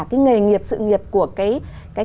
cái nghề nghiệp sự nghiệp của cái